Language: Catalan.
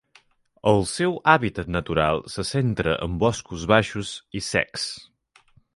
El seu hàbitat natural se centra en boscos baixos i secs.